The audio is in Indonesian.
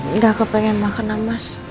enggak aku pengen makan emas